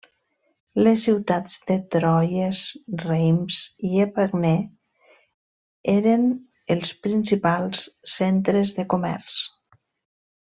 Les ciutats de Troyes, Reims i Épernay eren els principals centres de comerç.